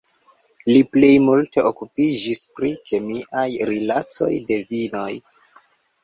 Li plej multe okupiĝis pri kemiaj rilatoj de vinoj.